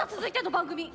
番組。